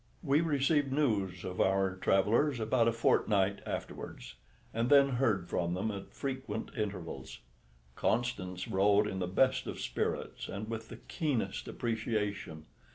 We received news of our travellers about a fortnight afterwards, and then heard from them at frequent intervals. Constance wrote in the best of spirits, and with the keenest appreciation.